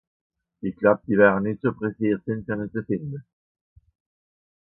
Ìch gläub, die wäre nìtt so presseert sìn, fer ne ze fìnde.